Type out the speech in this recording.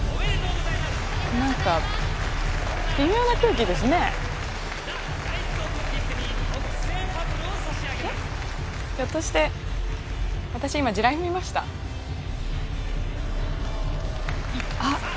えっ？